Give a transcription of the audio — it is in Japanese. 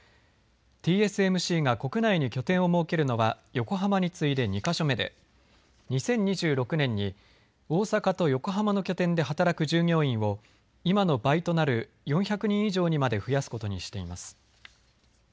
ＴＳＭＣが国内に拠点を設けるのは横浜に次いで２か所目で２０２６年に大阪と横浜の拠点で働く従業員を今の倍となる４００人以上にまで増やすことにしています。